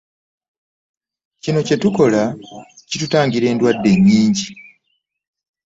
Kino kye tukola kitutangira endwadde nnnnnyingi.